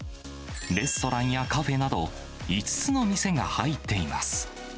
レストランやカフェなど、５つの店が入っています。